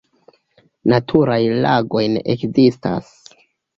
Naturaj lagoj ne ekzistas.